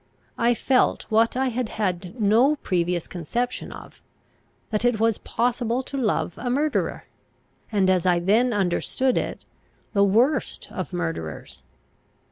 I felt what I had had no previous conception of, that it was possible to love a murderer, and, as I then understood it, the worst of murderers.